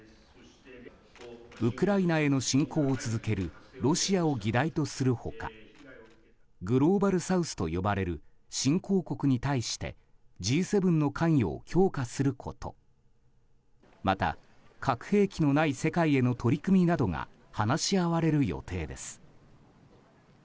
ウクライナへの侵攻を続けるロシアを議題とする他グローバルサウスと呼ばれる新興国に対してＧ７の関与を強化することまた、核兵器のない世界への取り組みなどが話し合われる予定です。